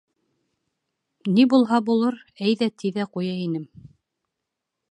Ни булһа булыр, әйҙә, ти ҙә ҡуя инем.